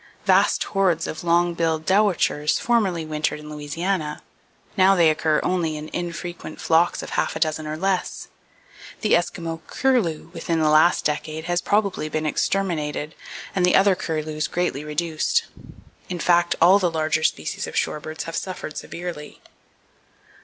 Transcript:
Vast hordes of long billed dowitchers formerly wintered in Louisiana; now they occur only in infrequent flocks of a half dozen or less. The Eskimo curlew within the last decade has probably been exterminated and the other curlews greatly reduced. In fact, all the larger species of shorebirds have suffered severely.